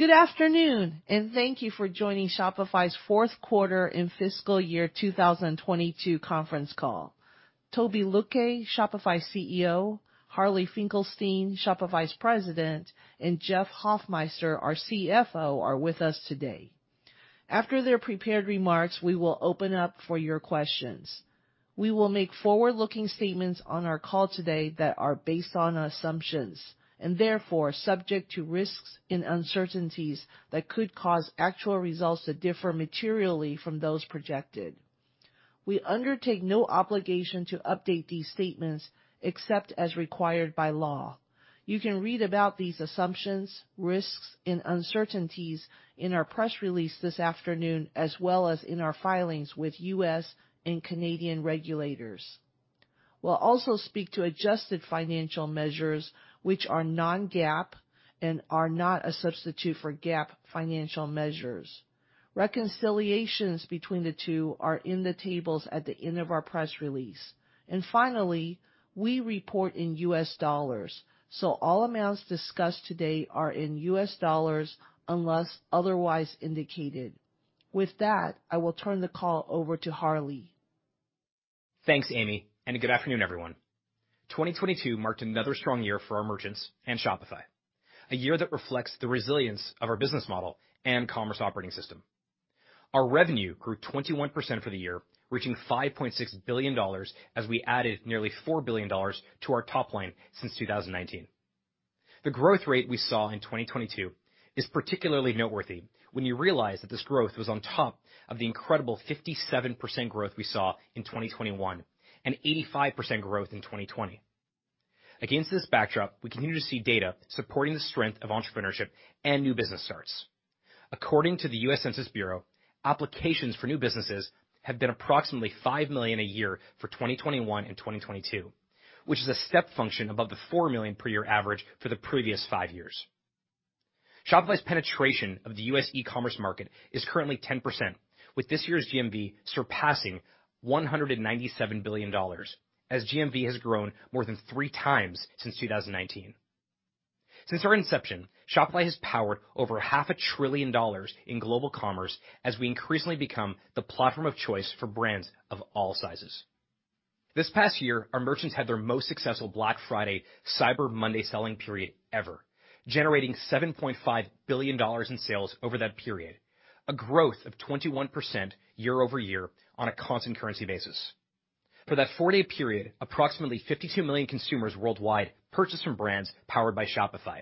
Good afternoon, thank you for joining Shopify's fourth quarter in fiscal year 2022 conference call. Tobi Lütke, Shopify CEO, Harley Finkelstein, Shopify's President, and Jeff Hoffmeister, our CFO, are with us today. After their prepared remarks, we will open up for your questions. We will make forward-looking statements on our call today that are based on assumptions, and therefore subject to risks and uncertainties that could cause actual results to differ materially from those projected. We undertake no obligation to update these statements except as required by law. You can read about these assumptions, risks, and uncertainties in our press release this afternoon, as well as in our filings with U.S. and Canadian regulators. We'll also speak to adjusted financial measures, which are non-GAAP and are not a substitute for GAAP financial measures. Reconciliations between the two are in the tables at the end of our press release. Finally, we report in U.S. dollars. All amounts discussed today are in U.S. dollars, unless otherwise indicated. With that, I will turn the call over to Harley. Thanks, Amy, and good afternoon, everyone. 2022 marked another strong year for our merchants and Shopify. A year that reflects the resilience of our business model and commerce operating system. Our revenue grew 21% for the year, reaching $5.6 billion, as we added nearly $4 billion to our top line since 2019. The growth rate we saw in 2022 is particularly noteworthy when you realize that this growth was on top of the incredible 57% growth we saw in 2021 and 85% growth in 2020. Against this backdrop, we continue to see data supporting the strength of entrepreneurship and new business starts. According to the US Census Bureau, applications for new businesses have been approximately 5 million a year for 2021 and 2022, which is a step function above the 4 million per year average for the previous five years. Shopify's penetration of the US e-commerce market is currently 10%, with this year's GMV surpassing $197 billion, as GMV has grown more than three times since 2019. Since our inception, Shopify has powered over half a trillion dollars in global commerce as we increasingly become the platform of choice for brands of all sizes. This past year, our merchants had their most successful Black Friday, Cyber Monday selling period ever, generating $7.5 billion in sales over that period, a growth of 21% year-over-year on a constant currency basis. For that 4-day period, approximately 52 million consumers worldwide purchased from brands powered by Shopify,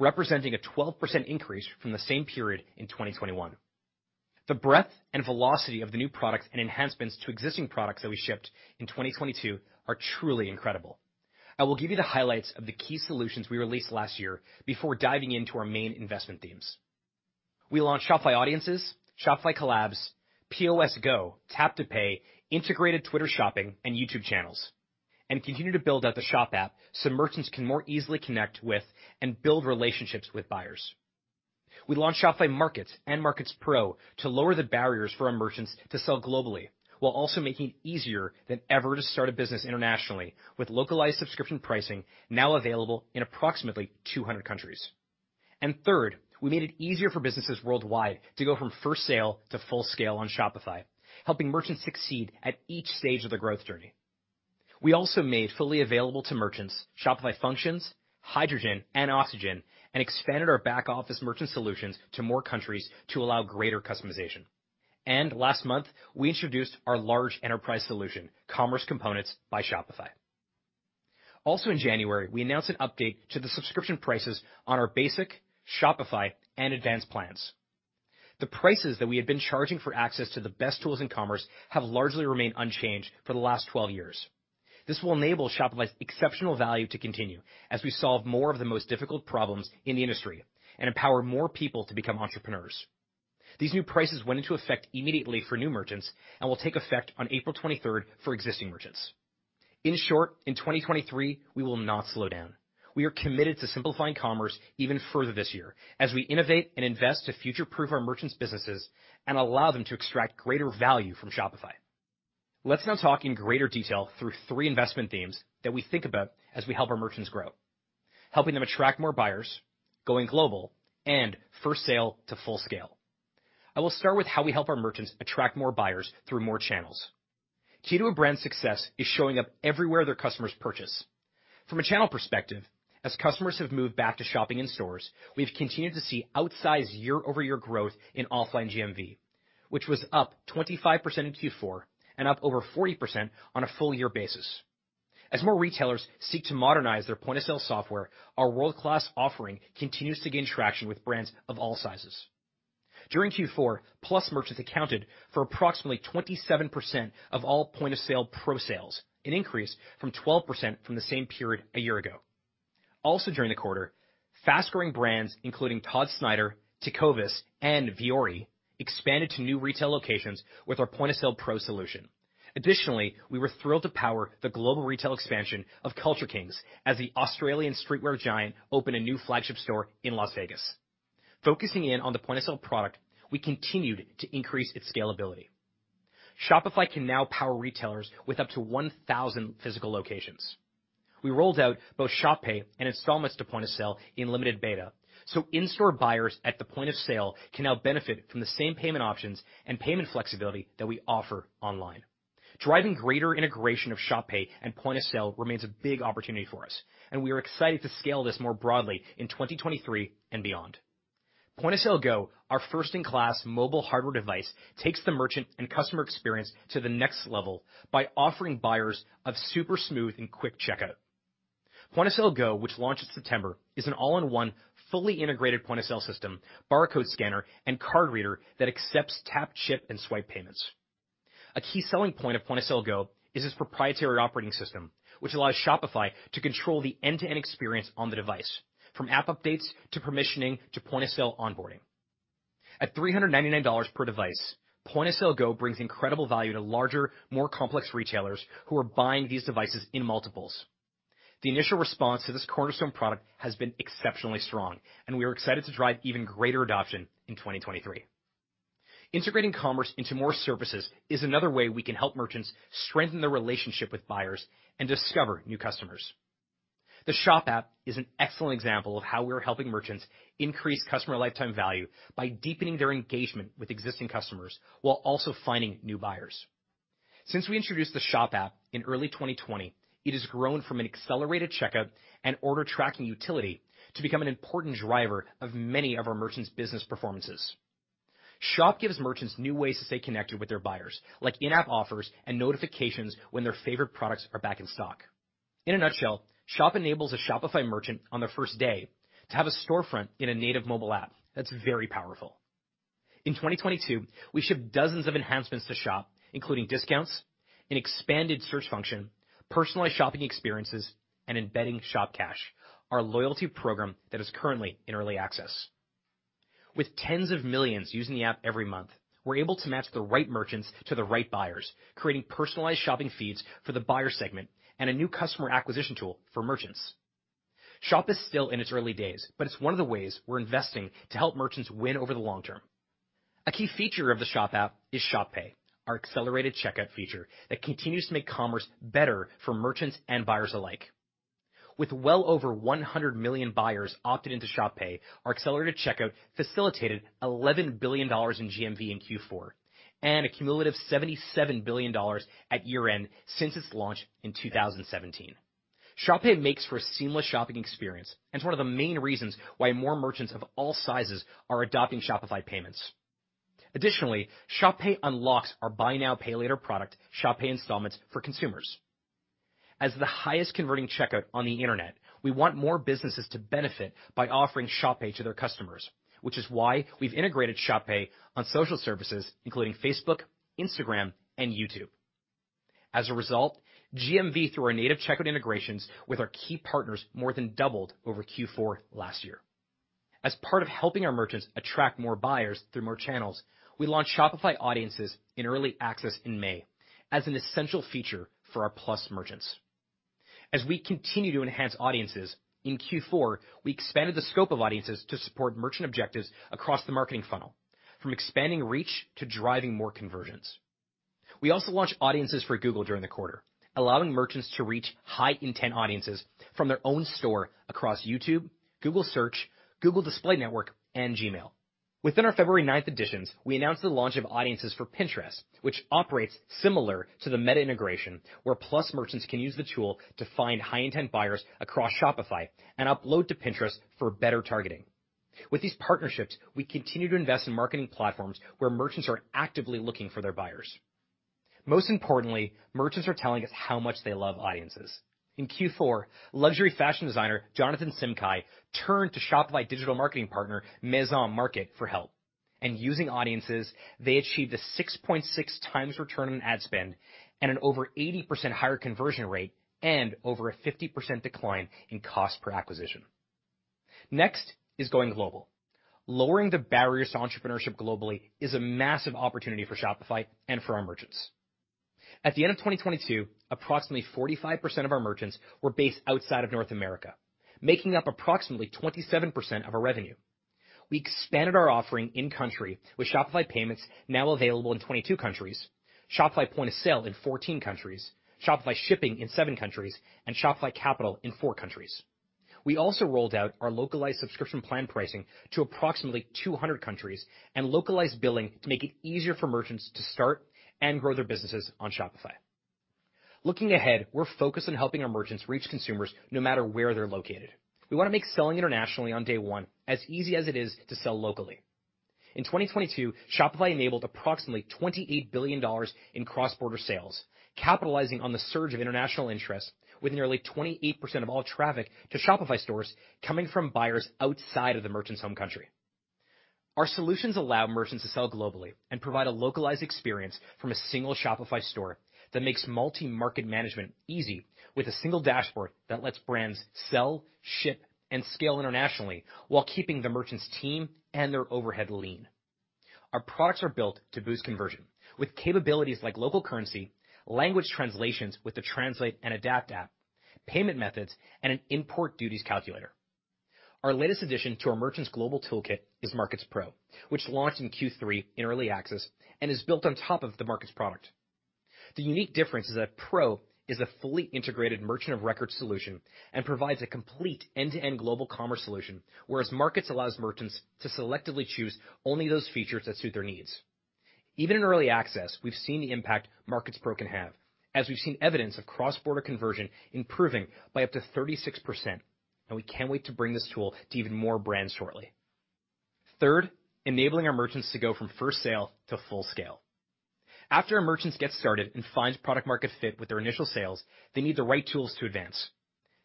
representing a 12% increase from the same period in 2021. The breadth and velocity of the new products and enhancements to existing products that we shipped in 2022 are truly incredible. I will give you the highlights of the key solutions we released last year before diving into our main investment themes. We launched Shopify Audiences, Shopify Collabs, POS Go, Tap to Pay, integrated Twitter Shopping and YouTube channels, and continue to build out the Shop app so merchants can more easily connect with and build relationships with buyers. We launched Shopify Markets and Markets Pro to lower the barriers for our merchants to sell globally, while also making it easier than ever to start a business internationally with localized subscription pricing now available in approximately 200 countries. Third, we made it easier for businesses worldwide to go from first sale to full scale on Shopify, helping merchants succeed at each stage of their growth journey. We also made fully available to merchants Shopify Functions, Hydrogen and Oxygen, and expanded our back office merchant solutions to more countries to allow greater customization. Last month, we introduced our large enterprise solution, Commerce Components by Shopify. Also in January, we announced an update to the subscription prices on our basic Shopify and advanced plans. The prices that we had been charging for access to the best tools in commerce have largely remained unchanged for the last 12 years. This will enable Shopify's exceptional value to continue as we solve more of the most difficult problems in the industry and empower more people to become entrepreneurs. These new prices went into effect immediately for new merchants and will take effect on April 23rd for existing merchants. In short, in 2023, we will not slow down. We are committed to simplifying commerce even further this year as we innovate and invest to future-proof our merchants' businesses and allow them to extract greater value from Shopify. Let's now talk in greater detail through three investment themes that we think about as we help our merchants grow. Helping them attract more buyers, going global, and first sale to full scale. I will start with how we help our merchants attract more buyers through more channels. Key to a brand's success is showing up everywhere their customers purchase. From a channel perspective, as customers have moved back to shopping in stores, we've continued to see outsized year-over-year growth in offline GMV, which was up 25% in Q4 and up over 40% on a full year basis. As more retailers seek to modernize their point-of-sale software, our world-class offering continues to gain traction with brands of all sizes. During Q4, Plus Merchants accounted for approximately 27% of all POS Pro sales, an increase from 12% from the same period a year ago. During the quarter, fast-growing brands, including Todd Snyder, Tecovas, and Vuori, expanded to new retail locations with our POS Pro solution. We were thrilled to power the global retail expansion of Culture Kings as the Australian streetwear giant opened a new flagship store in Las Vegas. Focusing in on the Point of Sale product, we continued to increase its scalability. Shopify can now power retailers with up to 1,000 physical locations. We rolled out both Shop Pay and installments to Point of Sale in limited beta. In-store buyers at the point of sale can now benefit from the same payment options and payment flexibility that we offer online. Driving greater integration of Shop Pay and Point of Sale remains a big opportunity for us. We are excited to scale this more broadly in 2023 and beyond. Point of Sale Go, our first-in-class mobile hardware device, takes the merchant and customer experience to the next level by offering buyers a super smooth and quick checkout. Point of Sale Go, which launched in September, is an all-in-one, fully integrated point of sale system, barcode scanner, and card reader that accepts tap, chip, and swipe payments. A key selling point of Point of Sale Go is its proprietary operating system, which allows Shopify to control the end-to-end experience on the device, from app updates to permissioning to point-of-sale onboarding. At $399 per device, Point of Sale Go brings incredible value to larger, more complex retailers who are buying these devices in multiples. The initial response to this cornerstone product has been exceptionally strong. We are excited to drive even greater adoption in 2023. Integrating commerce into more services is another way we can help merchants strengthen their relationship with buyers and discover new customers. The Shop app is an excellent example of how we're helping merchants increase customer lifetime value by deepening their engagement with existing customers while also finding new buyers. Since we introduced the Shop app in early 2020, it has grown from an accelerated checkout and order tracking utility to become an important driver of many of our merchants' business performances. Shop gives merchants new ways to stay connected with their buyers, like in-app offers and notifications when their favorite products are back in stock. In a nutshell, Shop enables a Shopify merchant on their first day to have a storefront in a native mobile app. That's very powerful. In 2022, we shipped dozens of enhancements to Shop, including discounts, an expanded search function, personalized shopping experiences, and embedding Shop Cash, our loyalty program that is currently in early access. With tens of millions using the app every month, we're able to match the right merchants to the right buyers, creating personalized shopping feeds for the buyer segment and a new customer acquisition tool for merchants. Shop is still in its early days. It's one of the ways we're investing to help merchants win over the long term. A key feature of the Shop app is Shop Pay, our accelerated checkout feature that continues to make commerce better for merchants and buyers alike. With well over 100 million buyers opted into Shop Pay, our accelerated checkout facilitated $11 billion in GMV in Q4, and a cumulative $77 billion at year-end since its launch in 2017. Shop Pay makes for a seamless shopping experience and is one of the main reasons why more merchants of all sizes are adopting Shopify Payments. Shop Pay unlocks our buy now, pay later product, Shop Pay Installments, for consumers. As the highest converting checkout on the Internet, we want more businesses to benefit by offering Shop Pay to their customers, which is why we've integrated Shop Pay on social services, including Facebook, Instagram, and YouTube. As a result, GMV through our native checkout integrations with our key partners more than doubled over Q4 last year. As part of helping our merchants attract more buyers through more channels, we launched Shopify Audiences in early access in May as an essential feature for our Plus merchants. As we continue to enhance Audiences, in Q4, we expanded the scope of Audiences to support merchant objectives across the marketing funnel, from expanding reach to driving more conversions. We also launched Audiences for Google during the quarter, allowing merchants to reach high-intent audiences from their own store across YouTube, Google Search, Google Display Network, and Gmail. Within our February ninth Editions, we announced the launch of Audiences for Pinterest, which operates similar to the Meta integration, where Plus merchants can use the tool to find high-intent buyers across Shopify and upload to Pinterest for better targeting. With these partnerships, we continue to invest in marketing platforms where merchants are actively looking for their buyers. Most importantly, merchants are telling us how much they love Audiences. In Q4, luxury fashion designer Jonathan Simkhai turned to Shopify digital marketing partner Maison MRKT for help, and using Audiences, they achieved a 6.6 times return on ad spend and an over 80% higher conversion rate and over a 50% decline in cost per acquisition. Next is going global. Lowering the barriers to entrepreneurship globally is a massive opportunity for Shopify and for our merchants. At the end of 2022, approximately 45% of our merchants were based outside of North America, making up approximately 27% of our revenue. We expanded our offering in country with Shopify Payments now available in 22 countries, Shopify Point of Sale in 14 countries, Shopify Shipping in 7 countries, and Shopify Capital in 4 countries. We also rolled out our localized subscription plan pricing to approximately 200 countries and localized billing to make it easier for merchants to start and grow their businesses on Shopify. Looking ahead, we're focused on helping our merchants reach consumers no matter where they're located. We want to make selling internationally on day one as easy as it is to sell locally. In 2022, Shopify enabled approximately $28 billion in cross-border sales, capitalizing on the surge of international interest with nearly 28% of all traffic to Shopify stores coming from buyers outside of the merchant's home country. Our solutions allow merchants to sell globally and provide a localized experience from a single Shopify store that makes multi-market management easy with a single dashboard that lets brands sell, ship, and scale internationally while keeping the merchant's team and their overhead lean. Our products are built to boost conversion with capabilities like local currency, language translations with the Translate & Adapt app, payment methods, and an import duties calculator. Our latest addition to our Merchants Global toolkit is Markets Pro, which launched in Q3 in early access and is built on top of the Markets product. The unique difference is that Pro is a fully integrated merchant of record solution and provides a complete end-to-end global commerce solution, whereas Markets allows merchants to selectively choose only those features that suit their needs. Even in early access, we've seen the impact Markets Pro can have, as we've seen evidence of cross-border conversion improving by up to 36%, and we can't wait to bring this tool to even more brands shortly. Third, enabling our merchants to go from first sale to full scale. After our merchants get started and find product market fit with their initial sales, they need the right tools to advance.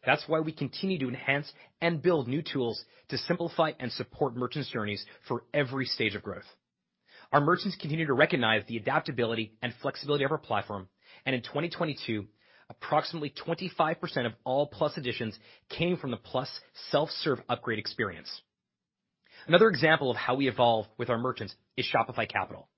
That's why we continue to enhance and build new tools to simplify and support merchants' journeys for every stage of growth. Our merchants continue to recognize the adaptability and flexibility of our platform. In 2022, approximately 25% of all Plus additions came from the Plus self-serve upgrade experience. Another example of how we evolve with our merchants is Shopify Capital.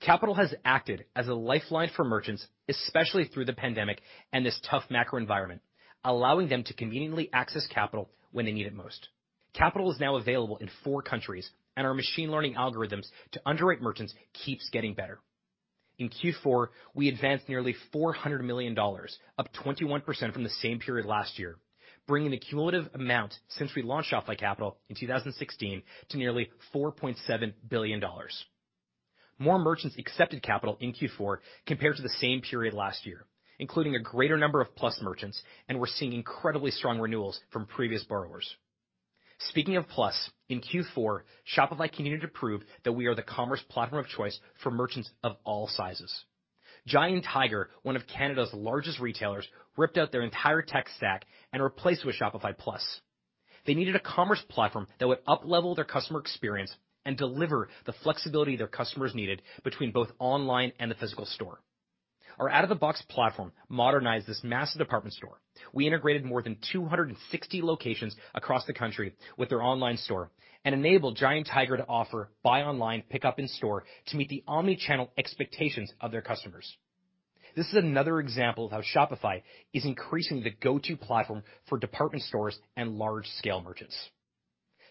Capital has acted as a lifeline for merchants, especially through the pandemic and this tough macro environment, allowing them to conveniently access capital when they need it most. Capital is now available in 4 countries, and our machine learning algorithms to underwrite merchants keeps getting better. In Q4, we advanced nearly $400 million, up 21% from the same period last year, bringing the cumulative amount since we launched Shopify Capital in 2016 to nearly $4.7 billion. More merchants accepted Capital in Q4 compared to the same period last year, including a greater number of Plus merchants. We're seeing incredibly strong renewals from previous borrowers. Speaking of Plus, in Q4, Shopify continued to prove that we are the commerce platform of choice for merchants of all sizes. Giant Tiger, one of Canada's largest retailers, ripped out their entire tech stack and replaced it with Shopify Plus. They needed a commerce platform that would uplevel their customer experience and deliver the flexibility their customers needed between both online and the physical store. Our out-of-the-box platform modernized this massive department store. We integrated more than 260 locations across the country with their online store and enabled Giant Tiger to offer buy online, pickup in store to meet the omni-channel expectations of their customers. This is another example of how Shopify is increasingly the go-to platform for department stores and large-scale merchants.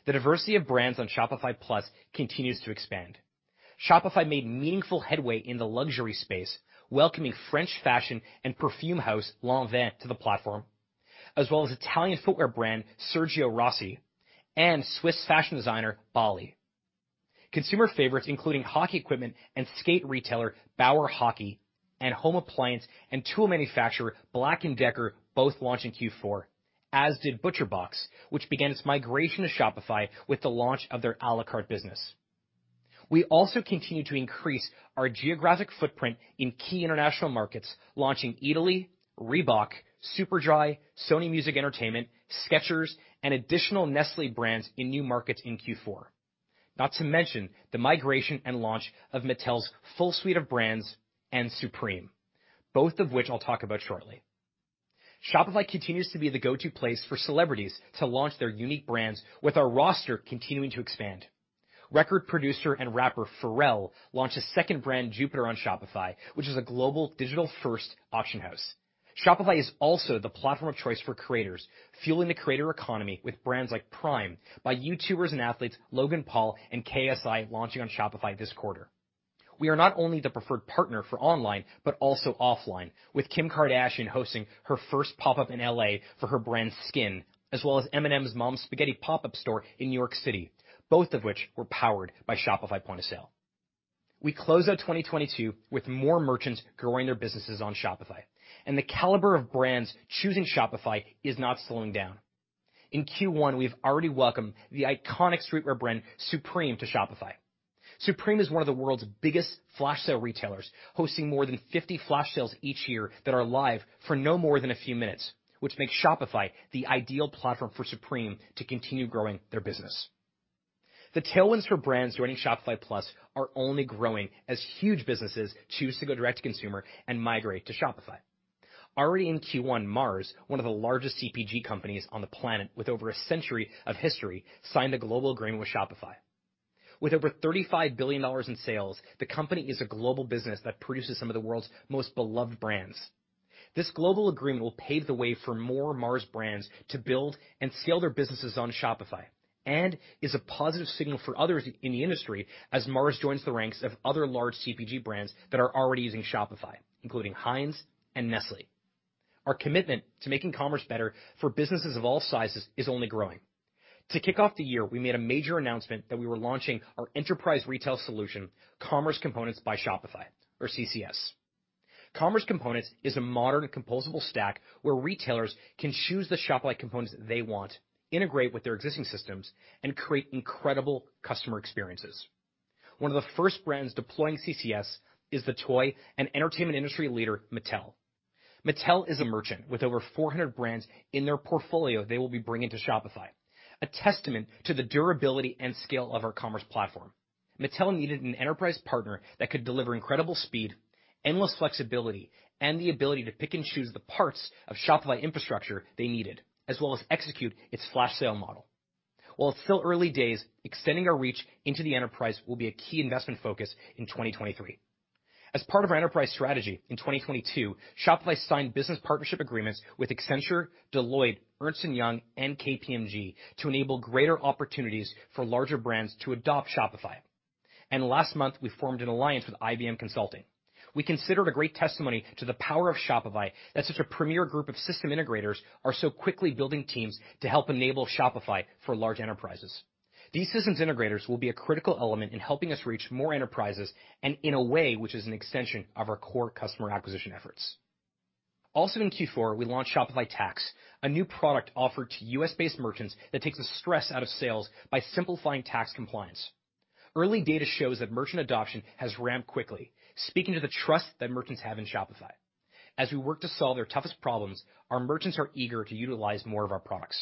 The diversity of brands on Shopify Plus continues to expand. Shopify made meaningful headway in the luxury space, welcoming French fashion and perfume house Lanvin to the platform, as well as Italian footwear brand Sergio Rossi and Swiss fashion designer Bally. Consumer favorites, including hockey equipment and skate retailer Bauer Hockey and home appliance and tool manufacturer Black & Decker, both launched in Q4, as did ButcherBox, which began its migration to Shopify with the launch of their a la carte business. We also continue to increase our geographic footprint in key international markets, launching Eataly, Reebok, Superdry, Sony Music Entertainment, Skechers, and additional Nestlé brands in new markets in Q4. Not to mention the migration and launch of Mattel's full suite of brands and Supreme, both of which I'll talk about shortly. Shopify continues to be the go-to place for celebrities to launch their unique brands, with our roster continuing to expand. Record producer and rapper Pharrell launched his second brand, JOOPITER, on Shopify, which is a global digital-first auction house. Shopify is also the platform of choice for creators, fueling the creator economy with brands like PRIME by YouTubers and athletes Logan Paul and KSI launching on Shopify this quarter. We are not only the preferred partner for online, but also offline, with Kim Kardashian hosting her first pop-up in L.A. for her brand SKKN, as well as Eminem's Mom's Spaghetti pop-up store in New York City, both of which were powered by Shopify Point of Sale. We close out 2022 with more merchants growing their businesses on Shopify, and the caliber of brands choosing Shopify is not slowing down. In Q1, we've already welcomed the iconic streetwear brand Supreme to Shopify. Supreme is one of the world's biggest flash sale retailers, hosting more than 50 flash sales each year that are live for no more than a few minutes, which makes Shopify the ideal platform for Supreme to continue growing their business. The tailwinds for brands joining Shopify Plus are only growing as huge businesses choose to go direct-to-consumer and migrate to Shopify. Already in Q1, Mars, one of the largest CPG companies on the planet with over a century of history, signed a global agreement with Shopify. With over $35 billion in sales, the company is a global business that produces some of the world's most beloved brands. This global agreement will pave the way for more Mars brands to build and scale their businesses on Shopify, and is a positive signal for others in the industry as Mars joins the ranks of other large CPG brands that are already using Shopify, including Heinz and Nestlé. Our commitment to making commerce better for businesses of all sizes is only growing. To kick off the year, we made a major announcement that we were launching our enterprise retail solution, Commerce Components by Shopify, or CCS. Commerce Components is a modern composable stack where retailers can choose the Shopify components they want, integrate with their existing systems, and create incredible customer experiences. One of the first brands deploying CCS is the toy and entertainment industry leader, Mattel. Mattel is a merchant with over 400 brands in their portfolio they will be bringing to Shopify, a testament to the durability and scale of our commerce platform. Mattel needed an enterprise partner that could deliver incredible speed, endless flexibility, and the ability to pick and choose the parts of Shopify infrastructure they needed, as well as execute its flash sale model. While it's still early days, extending our reach into the enterprise will be a key investment focus in 2023. As part of our enterprise strategy in 2022, Shopify signed business partnership agreements with Accenture, Deloitte, Ernst & Young, and KPMG to enable greater opportunities for larger brands to adopt Shopify. Last month, we formed an alliance with IBM Consulting. We considered a great testimony to the power of Shopify that such a premier group of system integrators are so quickly building teams to help enable Shopify for large enterprises. These systems integrators will be a critical element in helping us reach more enterprises, and in a way which is an extension of our core customer acquisition efforts. Also, in Q4, we launched Shopify Tax, a new product offered to US-based merchants that takes the stress out of sales by simplifying tax compliance. Early data shows that merchant adoption has ramped quickly, speaking to the trust that merchants have in Shopify. As we work to solve their toughest problems, our merchants are eager to utilize more of our products.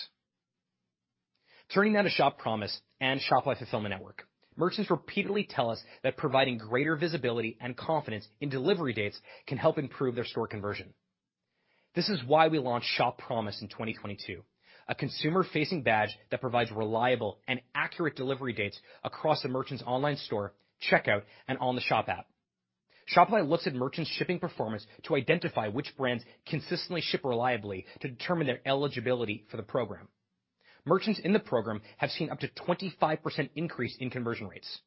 Turning now to Shop Promise and Shopify Fulfillment Network. Merchants repeatedly tell us that providing greater visibility and confidence in delivery dates can help improve their store conversion. This is why we launched Shop Promise in 2022, a consumer-facing badge that provides reliable and accurate delivery dates across the merchant's online store, checkout, and on the Shop app. Shopify looks at merchants' shipping performance to identify which brands consistently ship reliably to determine their eligibility for the program. Merchants in the program have seen up to 25% increase in conversion rates.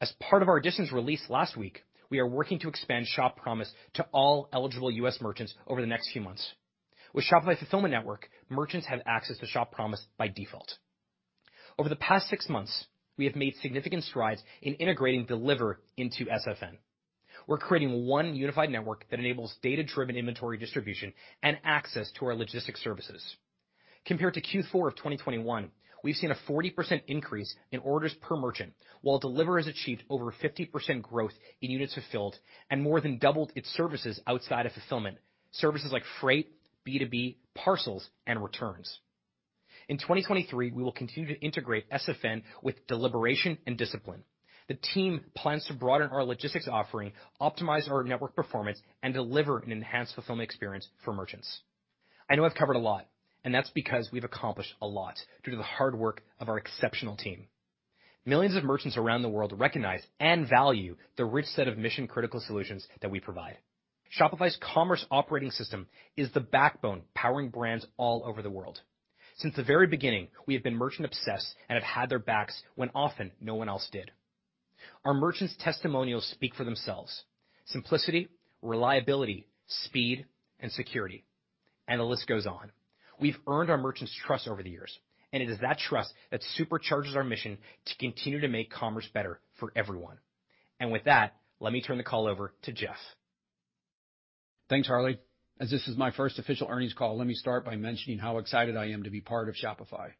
As part of our Editions released last week, we are working to expand Shop Promise to all eligible US merchants over the next few months. With Shopify Fulfillment Network, merchants have access to Shop Promise by default. Over the past 6 months, we have made significant strides in integrating Deliverr into SFN. We're creating 1 unified network that enables data-driven inventory distribution and access to our logistics services. Compared to Q4 of 2021, we've seen a 40% increase in orders per merchant, while Deliverr has achieved over 50% growth in units fulfilled and more than doubled its services outside of fulfillment. Services like freight, B2B, parcels, and returns. In 2023, we will continue to integrate SFN with deliberation and discipline. The team plans to broaden our logistics offering, optimize our network performance, and deliver an enhanced fulfillment experience for merchants. I know I've covered a lot, that's because we've accomplished a lot due to the hard work of our exceptional team. Millions of merchants around the world recognize and value the rich set of mission-critical solutions that we provide. Shopify's commerce operating system is the backbone powering brands all over the world. Since the very beginning, we have been merchant-obsessed and have had their backs when often no one else did. Our merchants' testimonials speak for themselves: simplicity, reliability, speed, and security, the list goes on. We've earned our merchants' trust over the years, it is that trust that supercharges our mission to continue to make commerce better for everyone. With that, let me turn the call over to Jeff. Thanks, Harley. As this is my first official earnings call, let me start by mentioning how excited I am to be part of Shopify.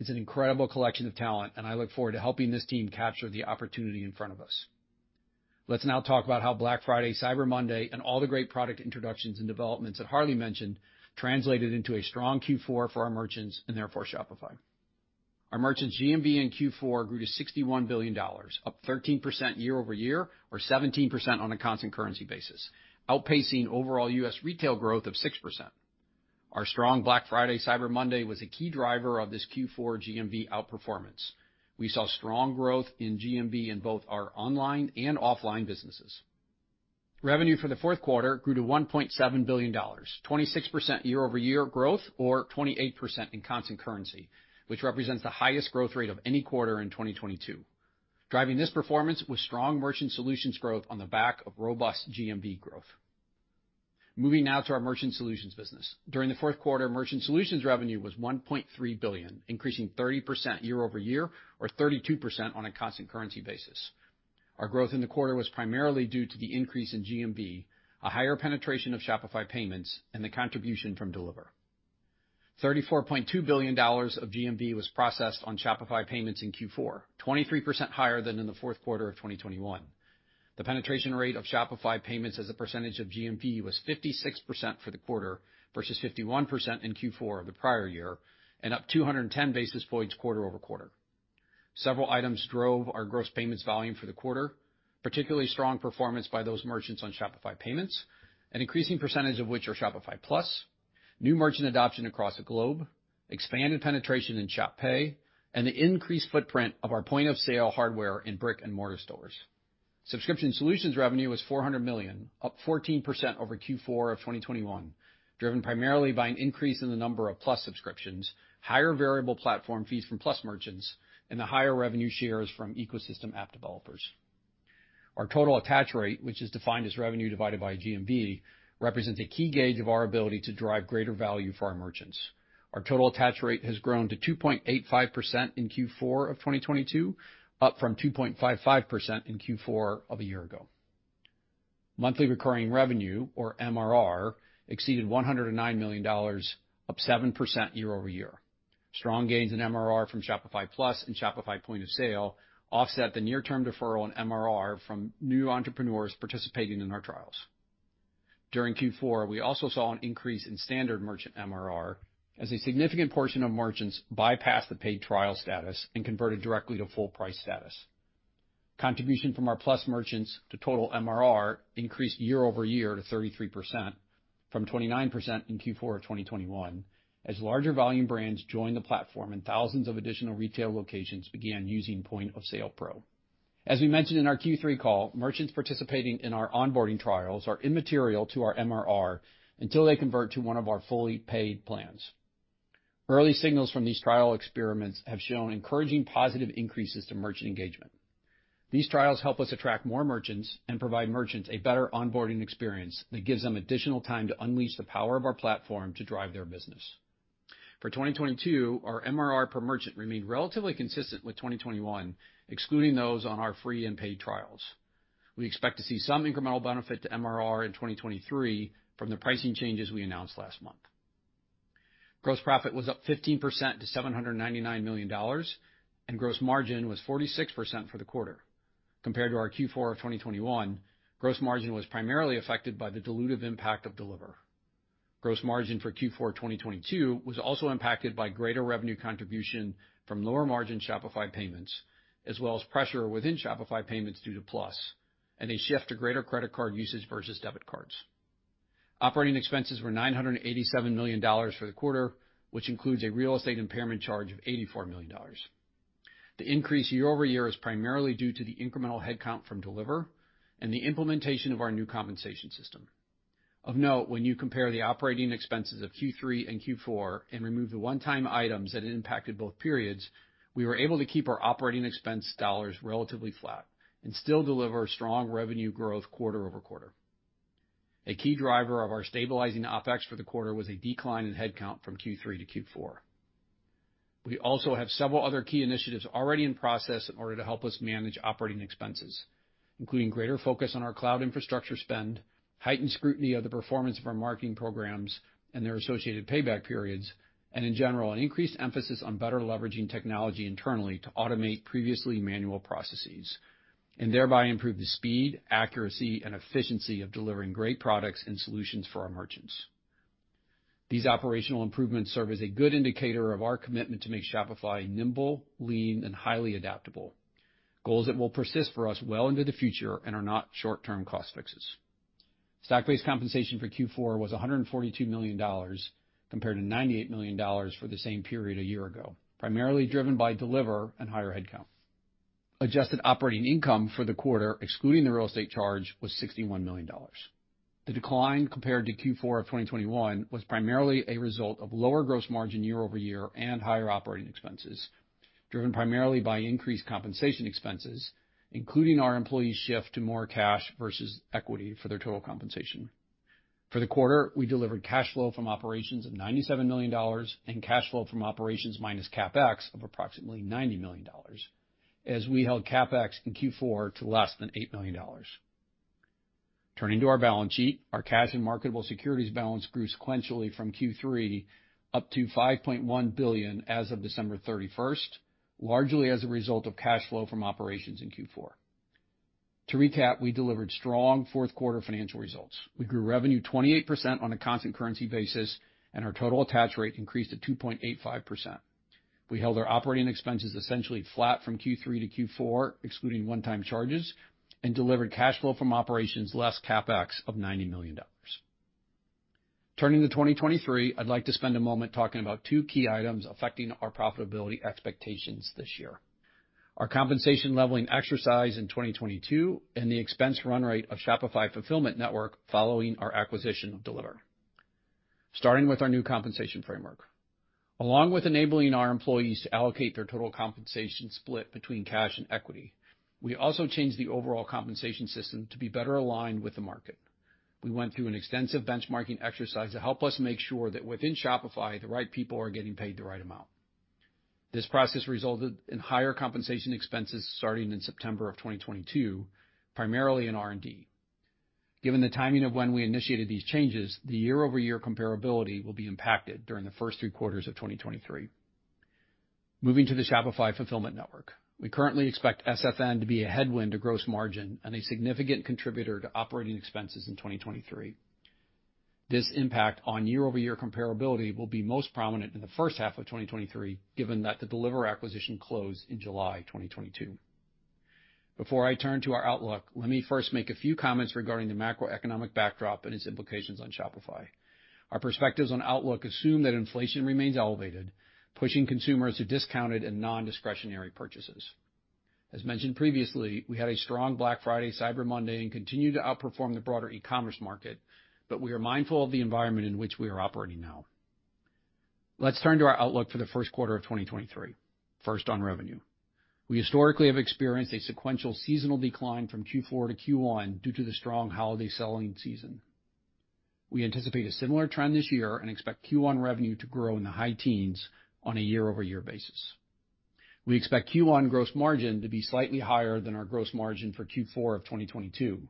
It's an incredible collection of talent, and I look forward to helping this team capture the opportunity in front of us. Let's now talk about how Black Friday, Cyber Monday, and all the great product introductions and developments that Harley mentioned translated into a strong Q4 for our merchants and therefore Shopify. Our merchants' GMV in Q4 grew to $61 billion, up 13% year-over-year, or 17% on a constant currency basis, outpacing overall U.S. retail growth of 6%. Our strong Black Friday, Cyber Monday was a key driver of this Q4 GMV outperformance. We saw strong growth in GMV in both our online and offline businesses. Revenue for the fourth quarter grew to $1.7 billion, 26% year-over-year growth, or 28% in constant currency, which represents the highest growth rate of any quarter in 2022. Driving this performance was strong merchant solutions growth on the back of robust GMV growth. Moving now to our merchant solutions business. During the fourth quarter, merchant solutions revenue was $1.3 billion, increasing 30% year-over-year, or 32% on a constant currency basis. Our growth in the quarter was primarily due to the increase in GMV, a higher penetration of Shopify Payments, and the contribution from Deliverr. $34.2 billion of GMV was processed on Shopify Payments in Q4, 23% higher than in the fourth quarter of 2021. The penetration rate of Shopify Payments as a percentage of GMV was 56% for the quarter versus 51% in Q4 of the prior year, and up 210 basis points quarter-over-quarter. Several items drove our gross payments volume for the quarter, particularly strong performance by those merchants on Shopify Payments, an increasing percentage of which are Shopify Plus, new merchant adoption across the globe, expanded penetration in Shop Pay, and the increased footprint of our point-of-sale hardware in brick-and-mortar stores. Subscription solutions revenue was $400 million, up 14% over Q4 of 2021, driven primarily by an increase in the number of Plus subscriptions, higher variable platform fees from Plus merchants, and the higher revenue shares from ecosystem app developers. Our total attach rate, which is defined as revenue divided by GMV, represents a key gauge of our ability to drive greater value for our merchants. Our total attach rate has grown to 2.85% in Q4 of 2022, up from 2.55% in Q4 of a year ago. Monthly recurring revenue, or MRR, exceeded $109 million, up 7% year-over-year. Strong gains in MRR from Shopify Plus and Shopify Point of Sale offset the near-term deferral in MRR from new entrepreneurs participating in our trials. During Q4, we also saw an increase in standard merchant MRR as a significant portion of merchants bypassed the paid trial status and converted directly to full price status. Contribution from our Plus merchants to total MRR increased year-over-year to 33%. From 29% in Q4 of 2021, as larger volume brands joined the platform and thousands of additional retail locations began using Point of Sale Pro. As we mentioned in our Q3 call, merchants participating in our onboarding trials are immaterial to our MRR until they convert to one of our fully paid plans. Early signals from these trial experiments have shown encouraging positive increases to merchant engagement. These trials help us attract more merchants and provide merchants a better onboarding experience that gives them additional time to unleash the power of our platform to drive their business. For 2022, our MRR per merchant remained relatively consistent with 2021, excluding those on our free and paid trials. We expect to see some incremental benefit to MRR in 2023 from the pricing changes we announced last month. Gross profit was up 15% to $799 million, and gross margin was 46% for the quarter. Compared to our Q4 of 2021, gross margin was primarily affected by the dilutive impact of Deliverr. Gross margin for Q4 2022 was also impacted by greater revenue contribution from lower margin Shopify Payments, as well as pressure within Shopify Payments due to Plus, and a shift to greater credit card usage versus debit cards. Operating expenses were $987 million for the quarter, which includes a real estate impairment charge of $84 million. The increase year-over-year is primarily due to the incremental headcount from Deliverr and the implementation of our new compensation system. Of note, when you compare the operating expenses of Q3 and Q4 and remove the one-time items that had impacted both periods, we were able to keep our operating expense dollars relatively flat and still deliver strong revenue growth quarter-over-quarter. A key driver of our stabilizing OPEX for the quarter was a decline in headcount from Q3 to Q4. We also have several other key initiatives already in process in order to help us manage operating expenses, including greater focus on our cloud infrastructure spend, heightened scrutiny of the performance of our marketing programs and their associated payback periods, and in general, an increased emphasis on better leveraging technology internally to automate previously manual processes, and thereby improve the speed, accuracy, and efficiency of delivering great products and solutions for our merchants. These operational improvements serve as a good indicator of our commitment to make Shopify nimble, lean, and highly adaptable, goals that will persist for us well into the future and are not short-term cost fixes. Stock-based compensation for Q4 was $142 million, compared to $98 million for the same period a year ago, primarily driven by Deliverr and higher headcount. Adjusted operating income for the quarter, excluding the real estate charge, was $61 million. The decline compared to Q4 of 2021 was primarily a result of lower gross margin year-over-year and higher operating expenses, driven primarily by increased compensation expenses, including our employees' shift to more cash versus equity for their total compensation. For the quarter, we delivered cash flow from operations of $97 million and cash flow from operations minus CapEx of approximately $90 million, as we held CapEx in Q4 to less than $8 million. Turning to our balance sheet, our cash and marketable securities balance grew sequentially from Q3 up to $5.1 billion as of December 31st, largely as a result of cash flow from operations in Q4. To recap, we delivered strong fourth-quarter financial results. We grew revenue 28% on a constant currency basis, and our total attach rate increased to 2.85%. We held our operating expenses essentially flat from Q3 to Q4, excluding one-time charges, and delivered cash flow from operations less CapEx of $90 million. Turning to 2023, I'd like to spend a moment talking about two key items affecting our profitability expectations this year: Our compensation leveling exercise in 2022, and the expense run rate of Shopify Fulfillment Network following our acquisition of Deliverr. Starting with our new compensation framework. Along with enabling our employees to allocate their total compensation split between cash and equity, we also changed the overall compensation system to be better aligned with the market. We went through an extensive benchmarking exercise to help us make sure that within Shopify, the right people are getting paid the right amount. This process resulted in higher compensation expenses starting in September of 2022, primarily in R&D. Given the timing of when we initiated these changes, the year-over-year comparability will be impacted during the first three quarters of 2023. Moving to the Shopify Fulfillment Network. We currently expect SFN to be a headwind to gross margin and a significant contributor to operating expenses in 2023. This impact on year-over-year comparability will be most prominent in the first half of 2023, given that the Deliverr acquisition closed in July 2022. Before I turn to our outlook, let me first make a few comments regarding the macroeconomic backdrop and its implications on Shopify. Our perspectives on outlook assume that inflation remains elevated, pushing consumers to discounted and non-discretionary purchases. As mentioned previously, we had a strong Black Friday, Cyber Monday and continue to outperform the broader e-commerce market, but we are mindful of the environment in which we are operating now. Let's turn to our outlook for the first quarter of 2023. First, on revenue. We historically have experienced a sequential seasonal decline from Q4 to Q1 due to the strong holiday selling season. We anticipate a similar trend this year and expect Q1 revenue to grow in the high teens on a year-over-year basis. We expect Q1 gross margin to be slightly higher than our gross margin for Q4 of 2022.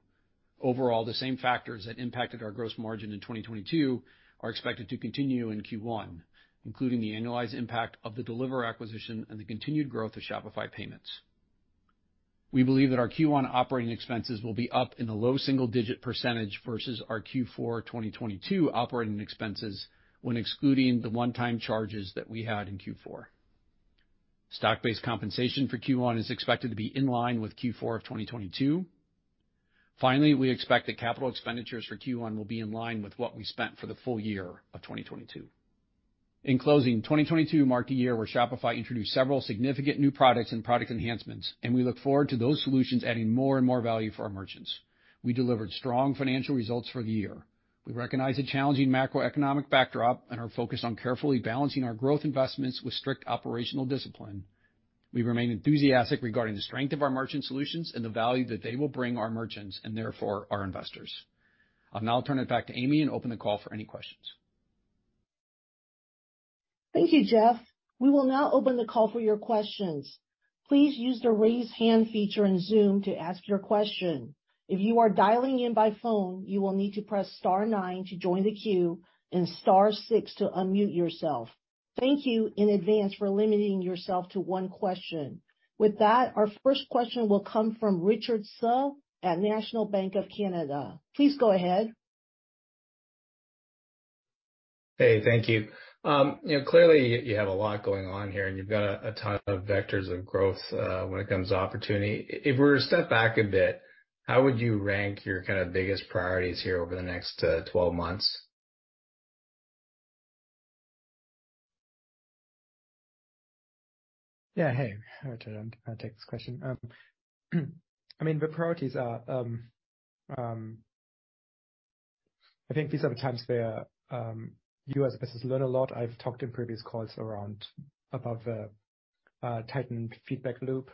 Overall, the same factors that impacted our gross margin in 2022 are expected to continue in Q1, including the annualized impact of the Deliverr acquisition and the continued growth of Shopify Payments. We believe that our Q1 operating expenses will be up in the low single-digit percentage versus our Q4 2022 operating expenses when excluding the one-time charges that we had in Q4. Stock-based compensation for Q1 is expected to be in line with Q4 of 2022. We expect that capital expenditures for Q1 will be in line with what we spent for the full year of 2022. In closing, 2022 marked a year where Shopify introduced several significant new products and product enhancements, and we look forward to those solutions adding more and more value for our merchants. We delivered strong financial results for the year. We recognize a challenging macroeconomic backdrop and are focused on carefully balancing our growth investments with strict operational discipline. We remain enthusiastic regarding the strength of our merchant solutions and the value that they will bring our merchants and therefore our investors. I'll now turn it back to Amy and open the call for any questions. Thank you, Jeff. We will now open the call for your questions. Please use the Raise Hand feature in Zoom to ask your question. If you are dialing in by phone, you will need to press star nine to join the queue and star six to unmute yourself. Thank you in advance for limiting yourself to one question. With that, our first question will come from Richard Tse at National Bank of Canada. Please go ahead. Hey, thank you. You know, clearly you have a lot going on here, and you've got a ton of vectors of growth when it comes to opportunity. If we're to step back a bit, how would you rank your kind of biggest priorities here over the next 12 months? Hey, Richard. I'll take this question. I mean, the priorities are. I think these are the times where you as a business learn a lot. I've talked in previous calls around above the tightened feedback loop.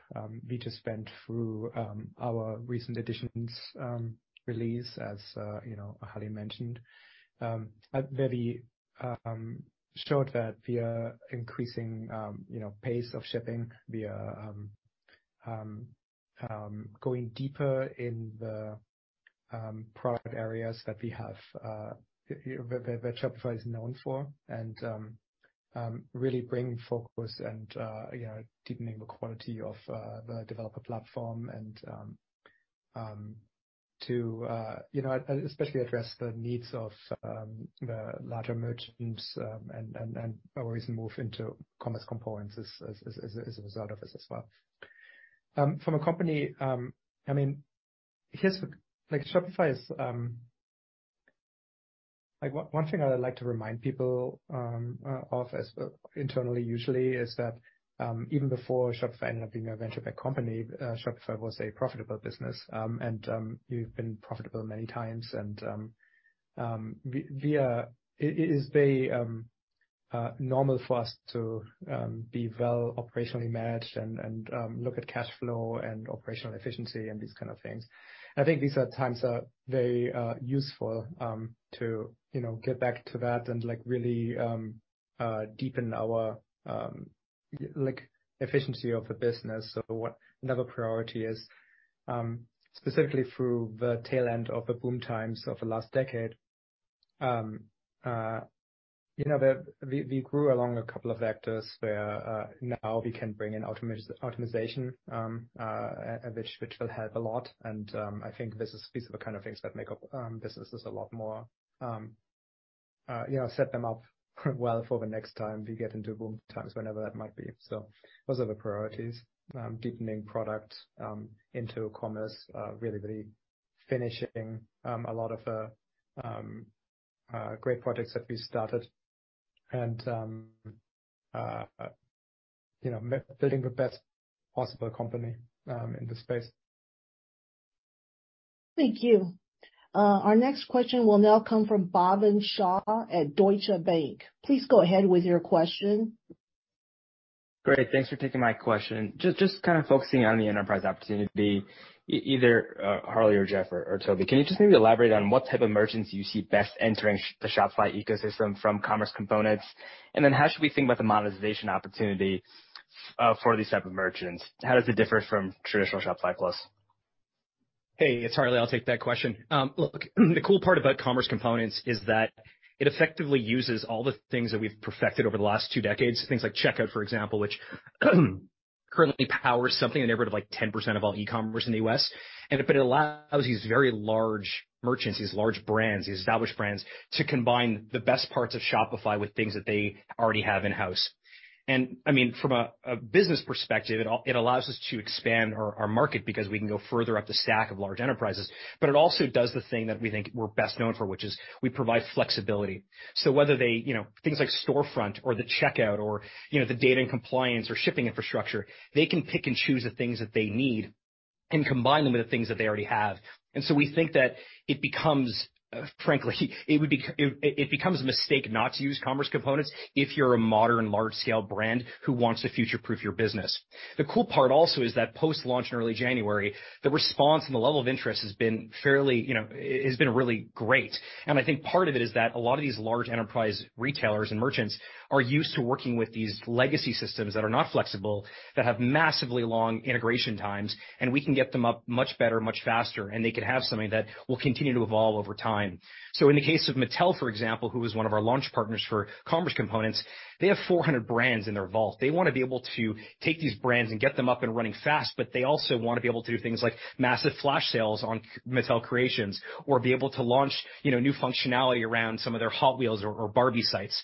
We just went through our recent Editions release as, you know, Harley mentioned. I've very showed that we are increasing, you know, pace of shipping. We are going deeper in the product areas that Shopify is known for, and really bringing focus and, you know, deepening the quality of the developer platform and to, you know, especially address the needs of the larger merchants, and always move into Commerce Components as a result of this as well. From a company, I mean, Shopify is Like, one thing I like to remind people of as internally usually is that even before Shopify ended up being a venture-backed company, Shopify was a profitable business, and we've been profitable many times. It is very normal for us to be well operationally managed and look at cash flow and operational efficiency and these kind of things. I think these are times that are very useful to, you know, get back to that and, like, really deepen our efficiency of the business. What another priority is, specifically through the tail end of the boom times of the last decade, you know, we grew along a couple of vectors where now we can bring in automization, which will help a lot. I think these are the kind of things that make up businesses a lot more, you know, set them up well for the next time we get into boom times, whenever that might be. Those are the priorities. Deepening product into commerce, really finishing a lot of the great projects that we started, you know, building the best possible company in the space. Thank you. Our next question will now come from Bhavin Shah at Deutsche Bank. Please go ahead with your question. Great. Thanks for taking my question. Just kind of focusing on the enterprise opportunity, either Harley or Jeff or Tobi, can you just maybe elaborate on what type of merchants you see best entering the Shopify ecosystem from Commerce Components? Then how should we think about the monetization opportunity for these type of merchants? How does it differ from traditional Shopify Plus? Hey, it's Harley. I'll take that question. Look, the cool part about Commerce Components is that it effectively uses all the things that we've perfected over the last two decades. Things like checkout, for example, which currently powers something in the neighborhood of, like, 10% of all e-commerce in the U.S. It allows these very large merchants, these large brands, these established brands, to combine the best parts of Shopify with things that they already have in-house. I mean, from a business perspective, it allows us to expand our market because we can go further up the stack of large enterprises. It also does the thing that we think we're best known for, which is we provide flexibility. Whether they, you know, things like storefront or the checkout or, you know, the data and compliance or shipping infrastructure, they can pick and choose the things that they need and combine them with the things that they already have. We think that it becomes, frankly, it becomes a mistake not to use Commerce Components if you're a modern large-scale brand who wants to future-proof your business. The cool part also is that post-launch in early January, the response and the level of interest has been fairly, you know, it's been really great. I think part of it is that a lot of these large enterprise retailers and merchants are used to working with these legacy systems that are not flexible, that have massively long integration times, and we can get them up much better, much faster, and they can have something that will continue to evolve over time. In the case of Mattel, for example, who was one of our launch partners for Commerce Components, they have 400 brands in their vault. They wanna be able to take these brands and get them up and running fast, but they also wanna be able to do things like massive flash sales on Mattel Creations or be able to launch, you know, new functionality around some of their Hot Wheels or Barbie sites.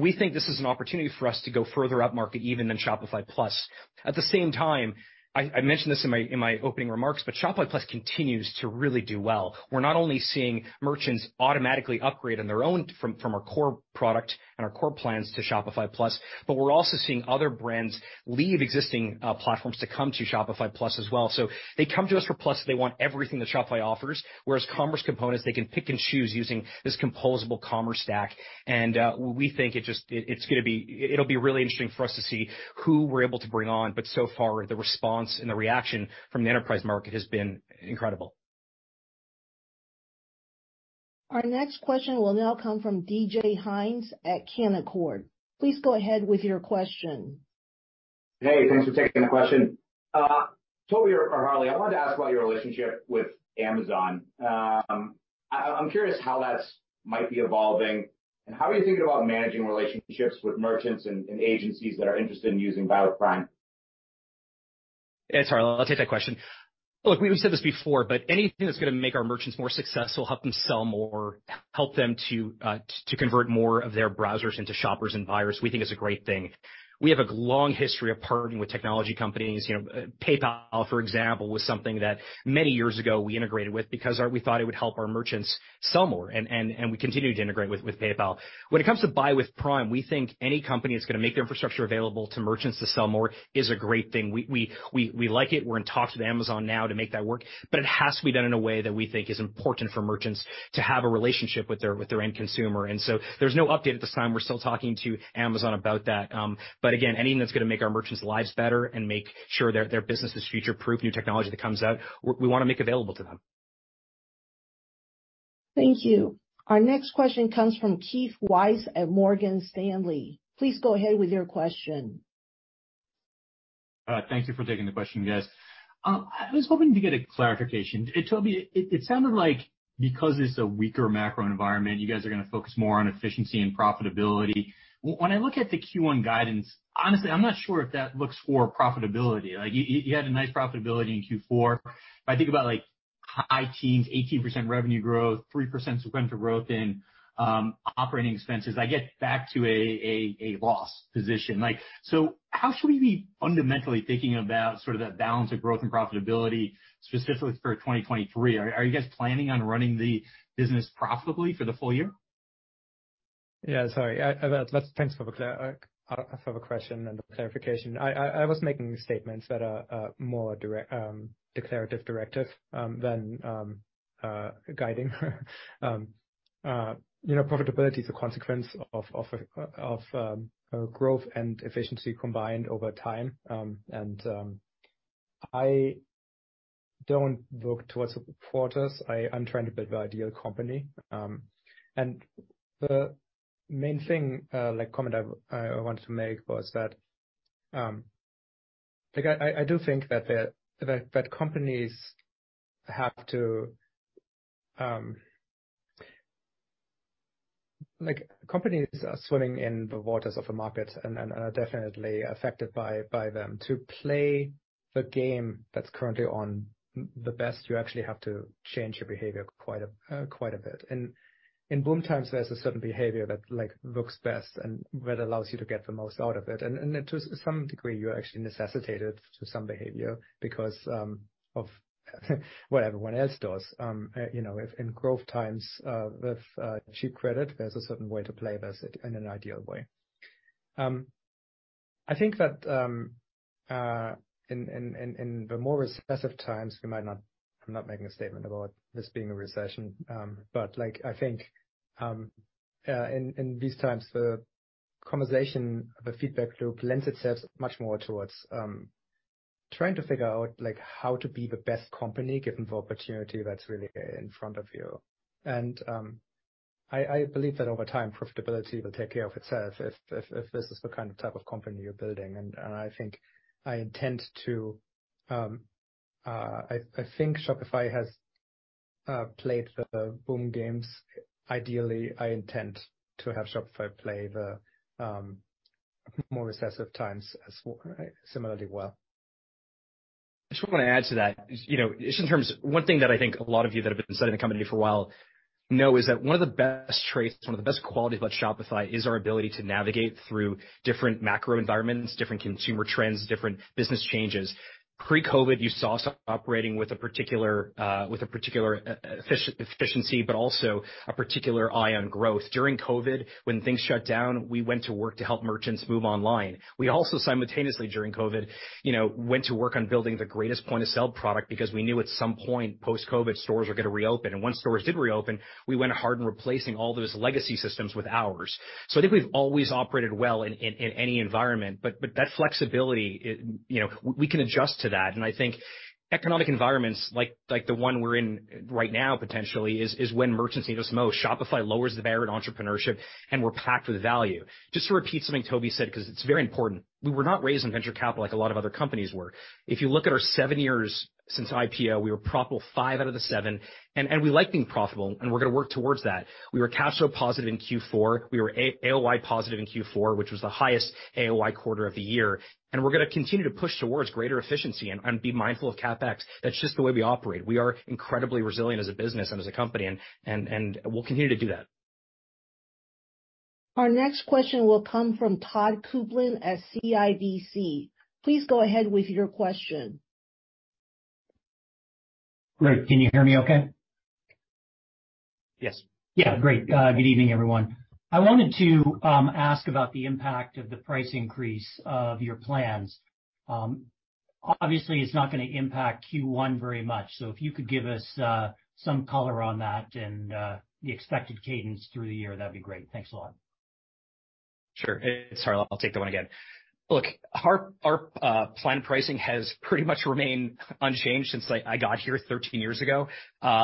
We think this is an opportunity for us to go further upmarket even than Shopify Plus. At the same time, I mentioned this in my opening remarks, Shopify Plus continues to really do well. We're not only seeing merchants automatically upgrade on their own from our core product and our core plans to Shopify Plus, we're also seeing other brands leave existing platforms to come to Shopify Plus as well. They come to us for Plus, they want everything that Shopify offers, whereas Commerce Components, they can pick and choose using this composable commerce stack. We think it's gonna be. It'll be really interesting for us to see who we're able to bring on. So far, the response and the reaction from the enterprise market has been incredible. Our next question will now come from D.J. Hynes at Canaccord. Please go ahead with your question. Hey, thanks for taking the question. Tobi or Harley, I wanted to ask about your relationship with Amazon. I'm curious how that's might be evolving and how are you thinking about managing relationships with merchants and agencies that are interested in using Buy with Prime? It's Harley. I'll take that question. Look, we even said this before, anything that's gonna make our merchants more successful, help them sell more, help them to convert more of their browsers into shoppers and buyers, we think is a great thing. We have a long history of partnering with technology companies. You know, PayPal, for example, was something that many years ago we integrated with because we thought it would help our merchants sell more, and we continue to integrate with PayPal. When it comes to Buy with Prime, we think any company that's gonna make their infrastructure available to merchants to sell more is a great thing. We like it. We're in talks with Amazon now to make that work, but it has to be done in a way that we think is important for merchants to have a relationship with their end consumer. There's no update at this time. We're still talking to Amazon about that. Again, anything that's gonna make our merchants' lives better and make sure their business is future-proof, new technology that comes out, we wanna make available to them. Thank you. Our next question comes from Keith Weiss at Morgan Stanley. Please go ahead with your question. Thank you for taking the question, guys. I was hoping to get a clarification. Hey, Tobi, it sounded like because it's a weaker macro environment, you guys are gonna focus more on efficiency and profitability. When I look at the Q1 guidance, honestly, I'm not sure if that looks for profitability. Like, you had a nice profitability in Q4. If I think about, like, high teens, 18% revenue growth, 3% sequential growth in operating expenses, I get back to a loss position. Like, how should we be fundamentally thinking about sort of that balance of growth and profitability, specifically for 2023? Are you guys planning on running the business profitably for the full year? Yeah. Sorry. Thanks for the question and the clarification. I was making statements that are more direct, declarative directive, than guiding. You know, profitability is a consequence of a growth and efficiency combined over time. I don't work towards quarters. I am trying to build the ideal company. The main thing, like comment I wanted to make was that, like I do think that the companies have to. Like, companies are swimming in the waters of the market and are definitely affected by them. To play the game that's currently on the best, you actually have to change your behavior quite a bit. In boom times, there's a certain behavior that, like, looks best and that allows you to get the most out of it. To some degree, you're actually necessitated to some behavior because of what everyone else does. You know, in growth times, with cheap credit, there's a certain way to play this in an ideal way. I think that in the more recessive times, I'm not making a statement about this being a recession, but, like, I think in these times, the conversation, the feedback loop lends itself much more towards trying to figure out, like, how to be the best company given the opportunity that's really in front of you. I believe that over time, profitability will take care of itself if this is the kind of type of company you're building. I think I intend to. I think Shopify has played the boom games. Ideally, I intend to have Shopify play the more recessive times as similarly well. I just want to add to that. You know, One thing that I think a lot of you that have been studying the company for a while know is that one of the best traits, one of the best qualities about Shopify is our ability to navigate through different macro environments, different consumer trends, different business changes. Pre-COVID, you saw us operating with a particular efficiency, but also a particular eye on growth. During COVID, when things shut down, we went to work to help merchants move online. We also simultaneously, during COVID, you know, went to work on building the greatest point-of-sale product because we knew at some point post-COVID, stores were gonna reopen. Once stores did reopen, we went hard in replacing all those legacy systems with ours. I think we've always operated well in any environment, but that flexibility, you know, we can adjust to that. I think economic environments like the one we're in right now potentially is when merchants need us most. Shopify lowers the barrier to entrepreneurship, and we're packed with value. Just to repeat something Tobi said 'cause it's very important. We were not raised on venture capital like a lot of other companies were. If you look at our 7 years since IPO, we were profitable 5 out of the 7, and we like being profitable, and we're gonna work towards that. We were cash flow positive in Q4. We were AOI positive in Q4, which was the highest AOI quarter of the year. We're gonna continue to push towards greater efficiency and be mindful of CapEx. That's just the way we operate. We are incredibly resilient as a business and as a company, and we'll continue to do that. Our next question will come from Todd Coupland at CIBC. Please go ahead with your question. Great. Can you hear me okay? Yes. Yeah. Great. Good evening, everyone. I wanted to ask about the impact of the price increase of your plans. Obviously it's not gonna impact Q1 very much, if you could give us some color on that and the expected cadence through the year, that'd be great. Thanks a lot. Sure. It's Harley. I'll take that one again. Look, our plan pricing has pretty much remained unchanged since I got here 13 years ago.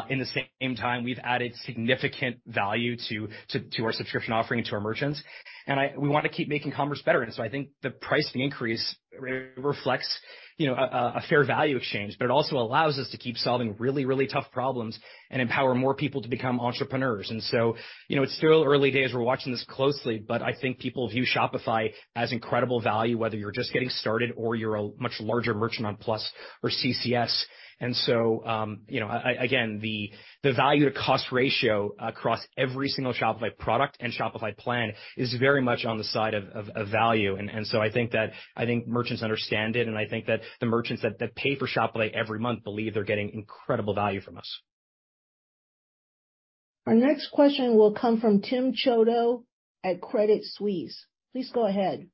In the same time, we've added significant value to our subscription offering to our merchants. We wanna keep making commerce better. I think the pricing increase reflects, you know, a fair value exchange, but it also allows us to keep solving really, really tough problems and empower more people to become entrepreneurs. You know, it's still early days. We're watching this closely, but I think people view Shopify as incredible value, whether you're just getting started or you're a much larger merchant on Plus or CCS. You know, again, the value to cost ratio across every single Shopify product and Shopify plan is very much on the side of value. I think merchants understand it, and I think that the merchants that pay for Shopify every month believe they're getting incredible value from us. Our next question will come from Tim Chiodo at Credit Suisse. Please go ahead.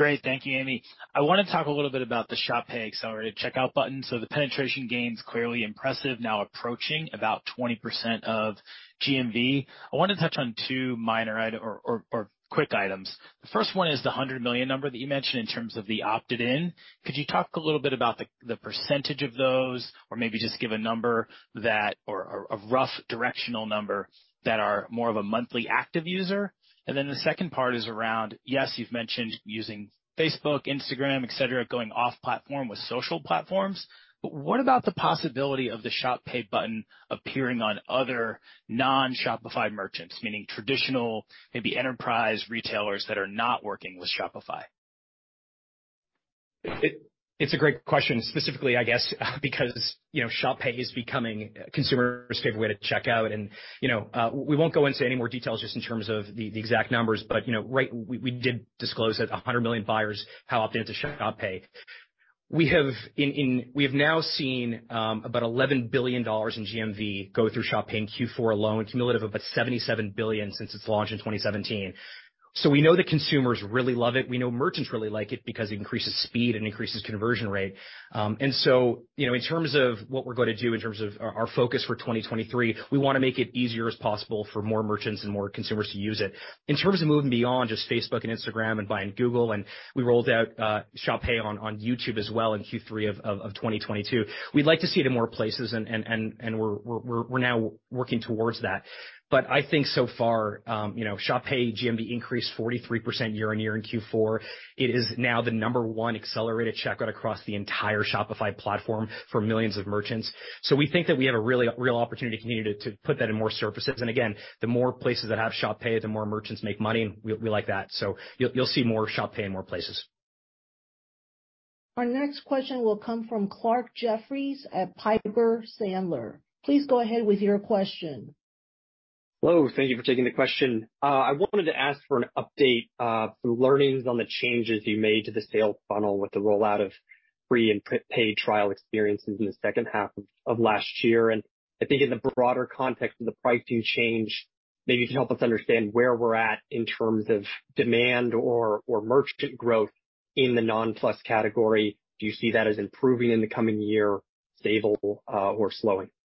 Great. Thank you, Amy. I wanna talk a little bit about the Shop Pay accelerated checkout button. The penetration gain's clearly impressive, now approaching about 20% of GMV. I wanna touch on two minor item or quick items. The first one is the $100 million number that you mentioned in terms of the opted in. Could you talk a little bit about the % of those or maybe just give a number that or a rough directional number that are more of a monthly active user? The second part is around, yes, you've mentioned using Facebook, Instagram, et cetera, going off platform with social platforms, but what about the possibility of the Shop Pay button appearing on other non-Shopify merchants, meaning traditional, maybe enterprise retailers that are not working with Shopify? It's a great question. Specifically, I guess, because, you know, Shop Pay is becoming a consumer's favorite way to check out. You know, we won't go into any more details just in terms of the exact numbers. You know, we did disclose that 100 million buyers have opted into Shop Pay. We have now seen about $11 billion in GMV go through Shop Pay in Q4 alone, cumulative of about $77 billion since its launch in 2017. We know the consumers really love it. We know merchants really like it because it increases speed and increases conversion rate. you know, in terms of what we're gonna do in terms of our focus for 2023, we wanna make it easier as possible for more merchants and more consumers to use it. In terms of moving beyond just Facebook and Instagram and buying Google, and we rolled out Shop Pay on YouTube as well in Q3 of 2022. We'd like to see it in more places and we're now working towards that. I think so far, you know, Shop Pay GMV increased 43% year on year in Q4. It is now the number one accelerated checkout across the entire Shopify platform for millions of merchants. We think that we have a really real opportunity to continue to put that in more surfaces. Again, the more places that have Shop Pay, the more merchants make money, and we like that. You'll see more Shop Pay in more places. Our next question will come from Clarke Jeffries at Piper Sandler. Please go ahead with your question. Hello. Thank you for taking the question. I wanted to ask for an update through learnings on the changes you made to the sales funnel with the rollout of free and paid trial experiences in the second half of last year. I think in the broader context of the pricing change, maybe you can help us understand where we're at in terms of demand or merchant growth in the non-Plus category. Do you see that as improving in the coming year, stable, or slowing? Yeah.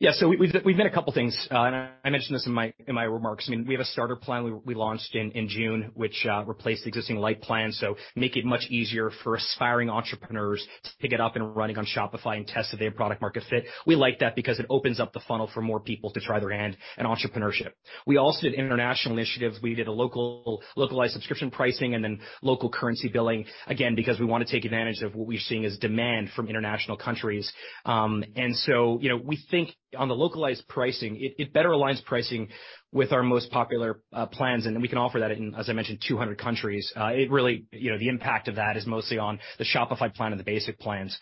We've done a couple things, and I mentioned this in my remarks. I mean, we have a starter plan we launched in June, which replaced the existing light plan. Make it much easier for aspiring entrepreneurs to pick it up and running on Shopify and test if they have product market fit. We like that because it opens up the funnel for more people to try their hand at entrepreneurship. We also did international initiatives. We did a localized subscription pricing and then local currency billing. Again, because we wanna take advantage of what we're seeing as demand from international countries. you know, we think on the localized pricing it better aligns pricing with our most popular plans, and then we can offer that in, as I mentioned, 200 countries. It really, you know, the impact of that is mostly on the Shopify plan and the basic plans.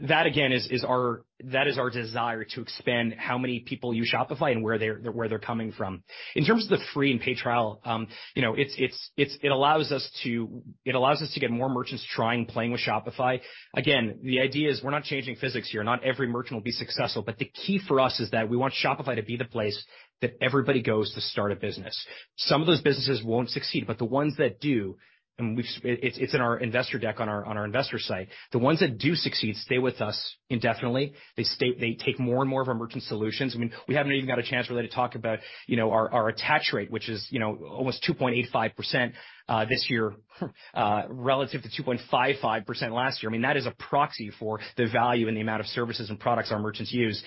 That again is our desire to expand how many people use Shopify and where they're coming from. In terms of the free and paid trial, you know, it allows us to get more merchants trying playing with Shopify. Again, the idea is we're not changing physics here. Not every merchant will be successful. The key for us is that we want Shopify to be the place that everybody goes to start a business. Some of those businesses won't succeed, but the ones that do, and it's in our investor deck on our investor site. The ones that do succeed stay with us indefinitely. They take more and more of our merchant solutions. I mean, we haven't even got a chance really to talk about, you know, our attach rate, which is, you know, almost 2.85% this year, relative to 2.55% last year. I mean, that is a proxy for the value and the amount of services and products our merchants use.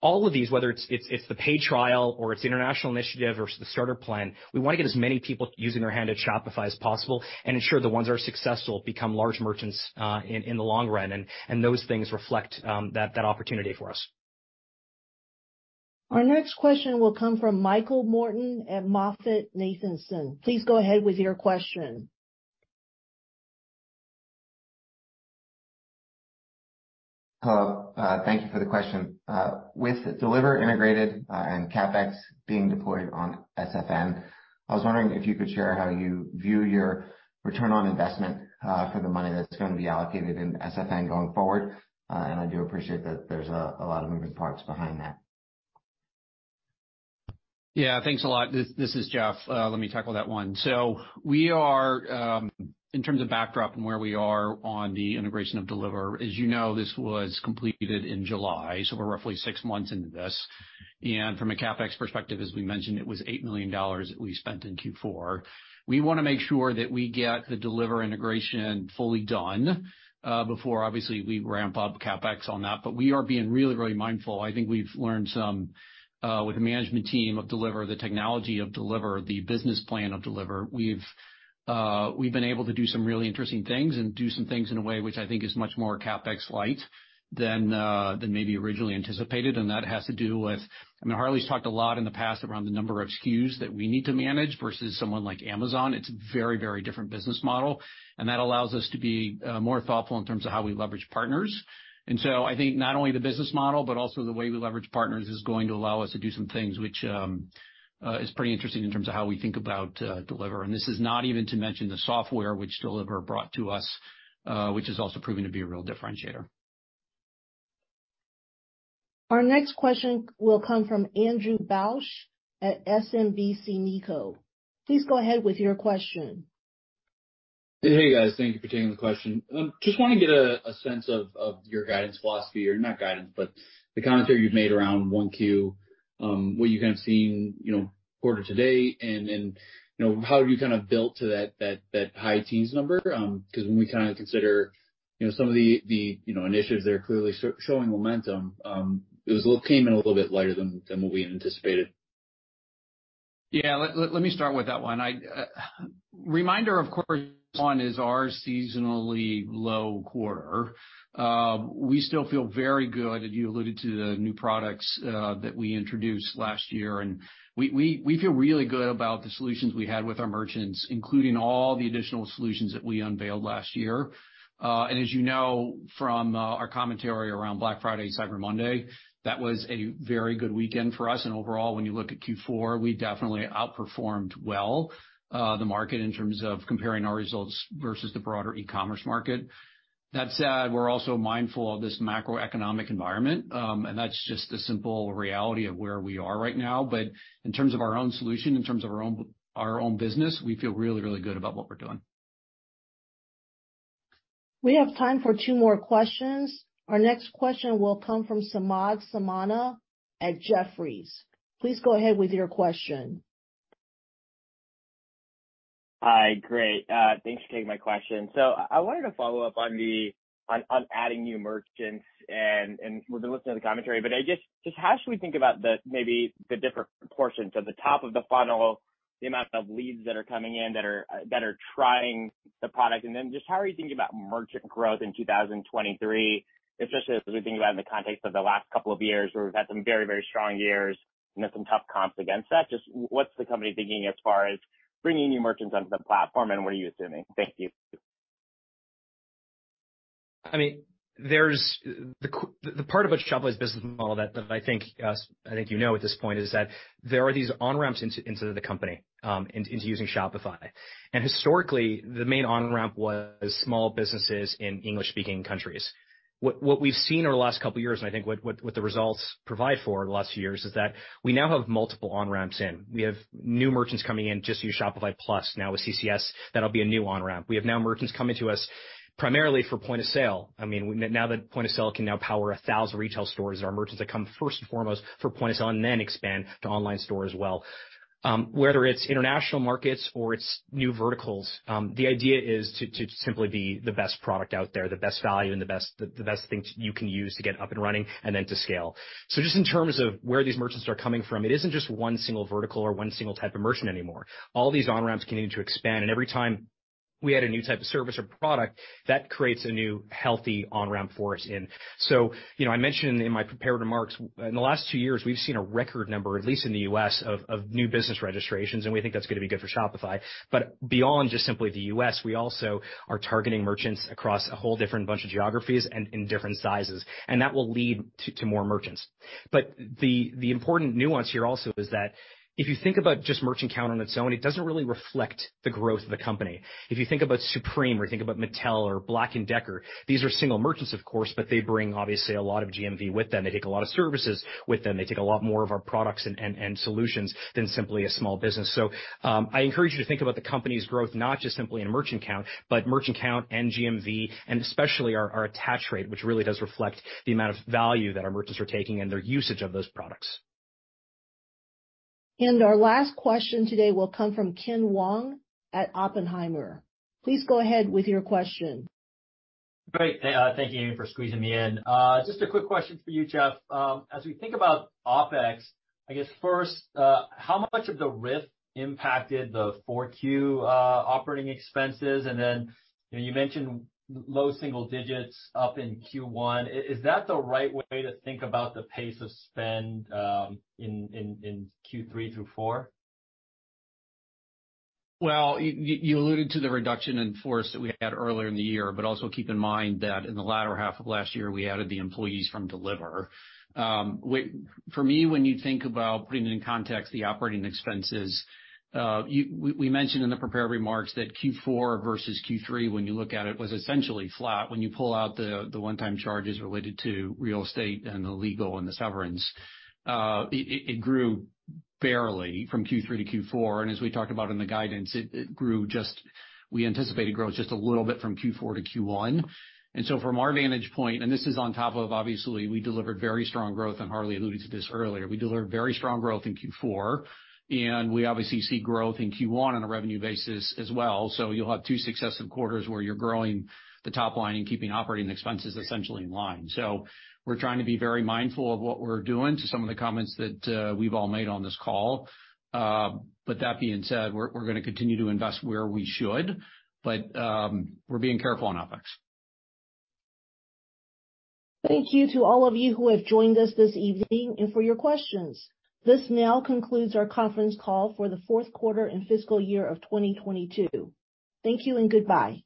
All of these, whether it's the paid trial or it's the international initiative or it's the starter plan, we wanna get as many people using their hand at Shopify as possible and ensure the ones that are successful become large merchants in the long run. Those things reflect that opportunity for us. Our next question will come from Michael Morton at MoffettNathanson. Please go ahead with your question. Hello. Thank you for the question. With Deliverr integrated, and CapEx being deployed on SFN, I was wondering if you could share how you view your return on investment, for the money that's going to be allocated in SFN going forward. I do appreciate that there's a lot of moving parts behind that. Thanks a lot. This is Jeff. Let me tackle that one. We are, in terms of backdrop and where we are on the integration of Deliverr, as you know, this was completed in July, so we're roughly 6 months into this. From a CapEx perspective, as we mentioned, it was $8 million that we spent in Q4. We wanna make sure that we get the Deliverr integration fully done before obviously we ramp up CapEx on that. We are being really, really mindful. I think we've learned some with the management team of Deliverr, the technology of Deliverr, the business plan of Deliverr. We've been able to do some really interesting things and do some things in a way which I think is much more CapEx light than maybe originally anticipated. That has to do with, I mean, Harley's talked a lot in the past around the number of SKUs that we need to manage versus someone like Amazon. It's a very, very different business model, and that allows us to be more thoughtful in terms of how we leverage partners. I think not only the business model, but also the way we leverage partners is going to allow us to do some things which is pretty interesting in terms of how we think about Deliverr. This is not even to mention the software which Deliverr brought to us, which is also proving to be a real differentiator. Our next question will come from Andrew Bauch at SMBC Nikko. Please go ahead with your question. Hey, guys. Thank you for taking the question. Just wanna get a sense of your guidance philosophy or not guidance, but the commentary you've made around 1Q, what you kind of seen, you know, quarter to date and, you know, how you kind of built to that high teens number. 'Cause when we kinda consider, you know, some of the initiatives that are clearly showing momentum, it came in a little bit lighter than what we anticipated. Yeah. Let me start with that one. I, reminder, of course, one is our seasonally low quarter. We still feel very good, you alluded to the new products that we introduced last year. We feel really good about the solutions we had with our merchants, including all the additional solutions that we unveiled last year. As you know from our commentary around Black Friday, Cyber Monday, that was a very good weekend for us. Overall, when you look at Q4, we definitely outperformed well, the market in terms of comparing our results versus the broader e-commerce market. That said, we're also mindful of this macroeconomic environment, that's just the simple reality of where we are right now. In terms of our own solution, in terms of our own business, we feel really good about what we're doing. We have time for two more questions. Our next question will come from Samad Samana at Jefferies. Please go ahead with your question. Hi. Great. thanks for taking my question. I wanted to follow up on adding new merchants and we've been listening to the commentary, but how should we think about the, maybe the different portions of the top of the funnel, the amount of leads that are coming in that are trying the product? How are you thinking about merchant growth in 2023, especially as we think about in the context of the last couple of years where we've had some very, very strong years and then some tough comps against that. What's the company thinking as far as bringing new merchants onto the platform, and what are you assuming? Thank you. I mean, there's the part about Shopify's business model that I think you know at this point is that there are these on-ramps into the company, into using Shopify. Historically, the main on-ramp was small businesses in English-speaking countries. What we've seen over the last couple of years, and I think what the results provide for the last few years is that we now have multiple on-ramps in. We have new merchants coming in just to use Shopify Plus. Now with CCS, that'll be a new on-ramp. We have now merchants coming to us primarily for point-of-sale. I mean, now that point-of-sale can now power 1,000 retail stores or merchants that come first and foremost for point of sale and then expand to online store as well. Whether it's international markets or it's new verticals, the idea is to simply be the best product out there, the best value and the best thing you can use to get up and running and then to scale. Just in terms of where these merchants are coming from, it isn't just one single vertical or one single type of merchant anymore. All these on-ramps continue to expand, and every time we add a new type of service or product, that creates a new healthy on-ramp for us in. You know, I mentioned in my prepared remarks, in the last two years, we've seen a record number, at least in the U.S., of new business registrations, and we think that's gonna be good for Shopify. Beyond just simply the U.S., we also are targeting merchants across a whole different bunch of geographies and in different sizes, and that will lead to more merchants. The important nuance here also is that if you think about just merchant count on its own, it doesn't really reflect the growth of the company. If you think about Supreme or you think about Mattel or Black & Decker, these are single merchants, of course, but they bring, obviously, a lot of GMV with them. They take a lot of services with them. They take a lot more of our products and solutions than simply a small business. I encourage you to think about the company's growth not just simply in merchant count, but merchant count and GMV, and especially our attach rate, which really does reflect the amount of value that our merchants are taking and their usage of those products. Our last question today will come from Ken Wong at Oppenheimer. Please go ahead with your question. Great. Thank you for squeezing me in. Just a quick question for you, Jeff. As we think about OpEx, I guess first, how much of the RIF impacted the four Q operating expenses? Then, you know, you mentioned low single digits up in Q1. Is that the right way to think about the pace of spend in Q3 through Q4? Well, you alluded to the reduction in force that we had earlier in the year. Also keep in mind that in the latter half of last year, we added the employees from Deliverr. For me, when you think about putting it in context, the operating expenses, we mentioned in the prepared remarks that Q4 versus Q3, when you look at it, was essentially flat. When you pull out the one-time charges related to real estate and the legal and the severance, it grew barely from Q3 to Q4. As we talked about in the guidance, it grew just we anticipated growth just a little bit from Q4 to Q1. From our vantage point, and this is on top of obviously we delivered very strong growth, and Harley alluded to this earlier. We delivered very strong growth in Q4, and we obviously see growth in Q1 on a revenue basis as well. You'll have two successive quarters where you're growing the top line and keeping operating expenses essentially in line. We're trying to be very mindful of what we're doing to some of the comments that we've all made on this call. That being said, we're gonna continue to invest where we should, but we're being careful on OpEx. Thank you to all of you who have joined us this evening and for your questions. This now concludes our conference call for the fourth quarter and fiscal year of 2022. Thank you and goodbye.